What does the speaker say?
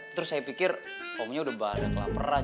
terus saya pikir omnya udah banyak laparan